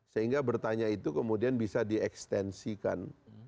sehingga bertanya itu kemudian bisa di ekstensikan